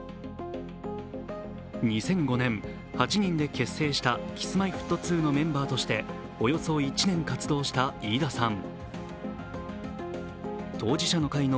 ２００５年、８人で結成したＫｉｓ−Ｍｙ−Ｆｔ２のメンバーとしておよそ１年活動した飯田さん。